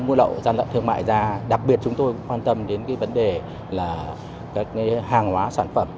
trong mùa lậu gian lận thương mại ra đặc biệt chúng tôi quan tâm đến vấn đề là các hàng hóa sản phẩm